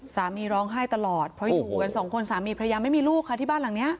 สามีร้องไห้ตลอดเพราะอยู่กันสองคนสามีพระยาไม่มีลูกค่ะที่บ้านหลังนี้